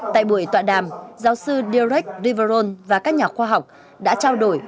tại buổi tọa đàm giáo sư direct riveron và các nhà khoa học đã trao đổi